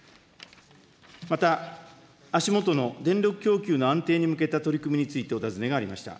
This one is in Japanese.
また、足下の電力供給の安定に向けた取り組みについてお尋ねがありました。